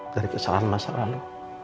dari kesalahan masa lalu